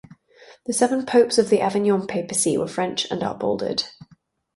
The seven popes of the Avignon Papacy were French and are bolded.